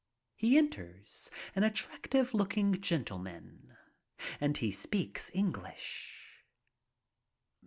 He enters, an attractive looking gentleman, and he speaks English.